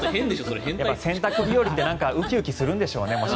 洗濯日和ってウキウキするんでしょうね。